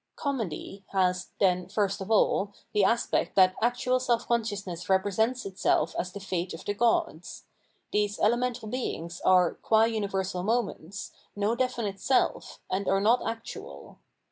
Comedy has, then, first of all, the aspect that actual self consciousness represents itseK as the Eate of the gods. These elemental Beings are, qua universal moments, no definite self, and are not actual.